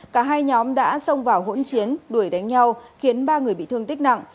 cả hai nhóm đã xông vào hỗn chiến đuổi đánh nhau khiến ba người bị thương tích nặng